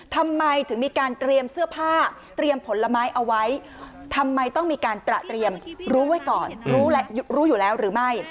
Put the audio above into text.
ทำไมถึงมีการเตรียมเสื้อผ้าเตรียมผลไม้เอาไว้ทำไมต้องมีการตระเตรียมรู้ไว้ก่อนรู้อยู่แล้วหรือไม่